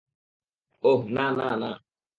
ওহ, না না না না।